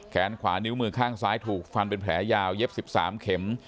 ขวานิ้วมือข้างซ้ายถูกฟันเป็นแผลยาวเย็บ๑๓เข็ม